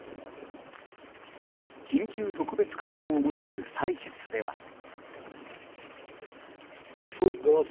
緊急特別会合を求める採決では。